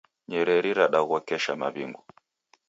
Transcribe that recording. Nyerinyeri radaghokesha mawingu.